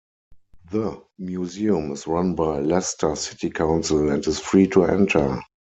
The museum is run by Leicester City Council and is free to enter.